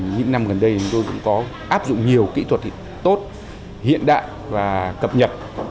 những năm gần đây chúng tôi cũng có áp dụng nhiều kỹ thuật tốt hiện đại và cập nhật